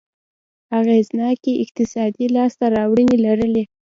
اغېزناکې اقتصادي لاسته راوړنې لرلې.